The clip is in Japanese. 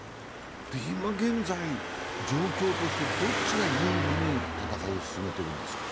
今現在、状況としてどっちが有利に戦いを進めているんですか。